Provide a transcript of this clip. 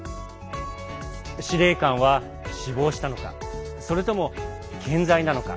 司令官は死亡したのかそれとも健在なのか。